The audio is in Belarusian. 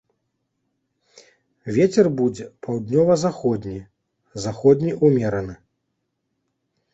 Вецер будзе паўднёва-заходні, заходні ўмераны.